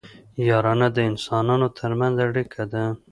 یارانه د انسانانو ترمنځ اړیکه ده